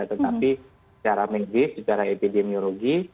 tetapi secara medis secara epidemiologi